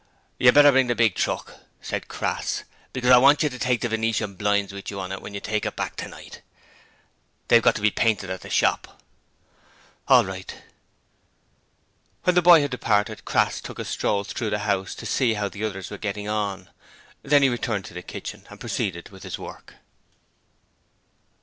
'You'd better bring the big truck,' said Crass, 'because I want you to take the venetian blinds with you on it when you take it back tonight. They've got to be painted at the shop.' 'All right.' When the boy had departed Crass took a stroll through the house to see how the others were getting on. Then he returned to the kitchen and proceeded with his work.